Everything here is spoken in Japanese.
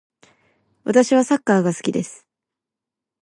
私はサッカーが好きです。